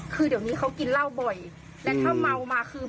คือเดี๋ยวนี้เขากินเหล้าบ่อยและถ้าเมามาคือ